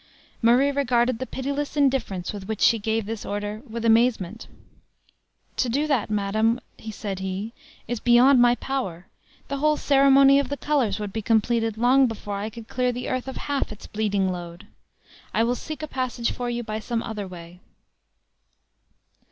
Murray regarded the pitiless indifference with which she gave this order with amazement. "To do that, madam," said he, "is beyond my power; the whole ceremony of the colors would be completed long before I could clear the earth of half its bleeding load. I will seek a passage for you by some other way."